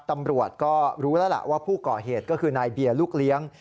ตำรวจก็รู้แล้วล่ะว่าผู้ก่อเหตุก็คือนายเบียร์ลูกเลี้ยง